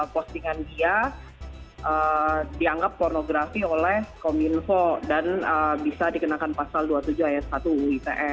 postingan dia dianggap pornografi oleh kominfo dan bisa dikenakan pasal dua puluh tujuh ayat satu uu ite